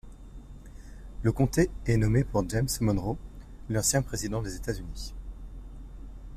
Le comté est nommé pour James Monroe, l'ancien président des États-Unis.